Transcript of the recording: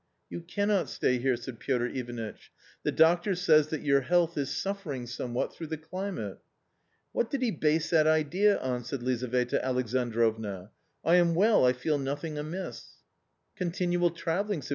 " You cannot stay here," said Piotr Ivanitch ;" the doctor says that your health is suffering somewhat through the climate." "What did he base that idea on?" said Lizaveta Alexandrovna ;" I am well, I feel nothing amiss ."" Continual traveiung," said